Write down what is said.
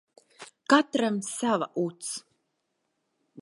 Katram sava uts.